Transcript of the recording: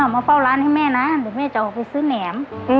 มาเฝ้าร้านให้แม่นะเดี๋ยวแม่จะออกไปซื้อแหนม